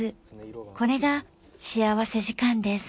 これが幸福時間です。